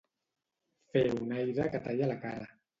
Fer un aire que talla la cara.